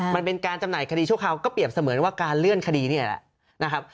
มันเป็นการจำหน่ายคดีชั่วคราวก็เปรียบเสมือนว่าการเลื่อนคดีนี่แหละนะครับ